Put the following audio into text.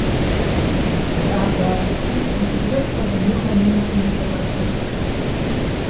De abdij is fierstente grut foar de njoggen muontsen dy't der noch sitte.